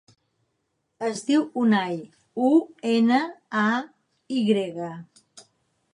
Es diu Unay: u, ena, a, i grega.